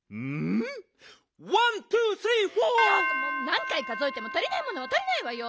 なんかいかぞえても足りないものは足りないわよ！